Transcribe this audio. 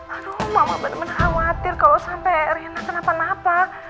aduh mama benar benar khawatir kalau sampai reyna kenapa napa